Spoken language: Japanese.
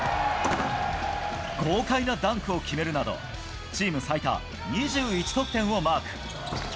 豪快なダンクを決めるなど、チーム最多２１得点をマーク。